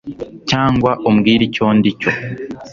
Cyangwa umbwire icyo ndi cyo